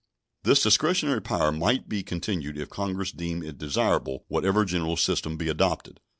This discretionary power might be continued if Congress deem it desirable, whatever general system be adopted.